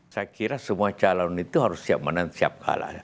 saya kira semua calon itu harus siap menang siap kalah